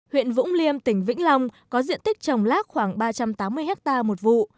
huyện vũng liêm tỉnh vĩnh long có diện tích trồng lác khoảng ba trăm tám mươi hectare một vụ